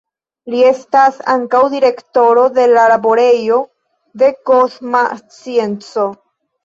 Li estas ankaŭ direktoro de la Laborejo de Kosma Scienco.